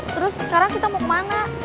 terus sekarang kita mau kemana